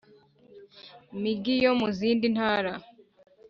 migi yo mu zindi ntara